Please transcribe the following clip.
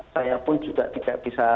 saya pun juga tidak bisa